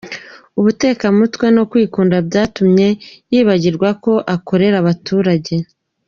Ubutekamutwe no kwikunda byatumye yibagirwa ko akorera abaturage !